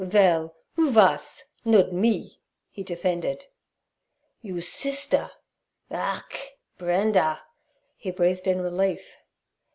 'Vell, 'oo vas? Nod me' he defended. 'Yous sister.' 'Ach, Brenda!' he breathed in relief.